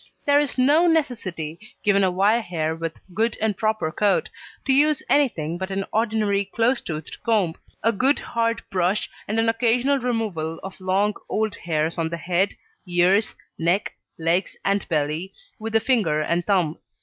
There is no necessity, given a wire hair with a good and proper coat, to use anything but an ordinary close toothed comb, a good hard brush, and an occasional removal of long old hairs on the head, ears, neck, legs, and belly, with the finger and thumb.